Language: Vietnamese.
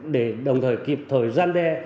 để đồng thời kịp thời gian đe